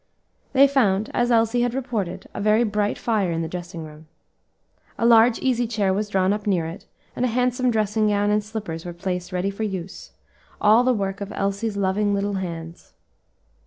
They found, as Elsie had reported, a very bright fire in the dressing room. A large easy chair was drawn up near it, and a handsome dressing gown and slippers were placed ready for use; all the work of Elsie's loving little hands.